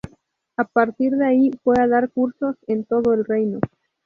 A partir de ahí fue a dar cursos en todo el reino.